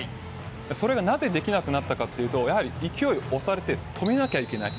それがなぜできなくなったかというと勢い、押されて止めなきゃいけない。